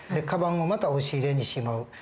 カバンをまた押し入れにしまう。